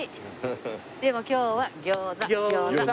でも今日は餃子餃子！